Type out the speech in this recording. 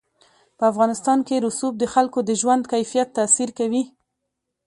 په افغانستان کې رسوب د خلکو د ژوند کیفیت تاثیر کوي.